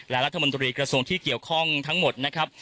และรัฐมนตรีกระทรวงที่เกี่ยวข้องทั้งหมดนะครับ